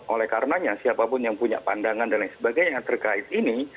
oleh karenanya siapapun yang punya pandangan dan lain sebagainya yang terkait ini